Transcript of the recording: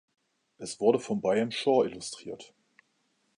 Es wurde von Byam Shaw illustriert.